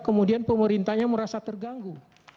kemudian pemerintahnya merasa terganggu